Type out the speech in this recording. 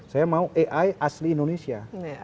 saya mau ai asli indonesia